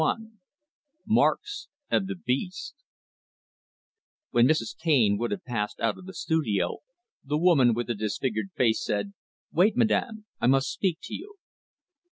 XLI Marks of the Beast When Mrs. Taine would have passed out of the studio, the woman with the disfigured face said, "Wait madam, I must speak to you."